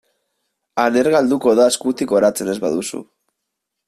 Aner galduko da eskutik oratzen ez baduzu.